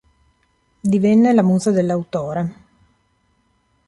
Divenne la musa dell'autore.